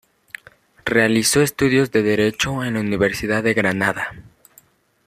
Realizó estudios de derecho en la Universidad de Granada.